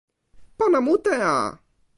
pona mute a!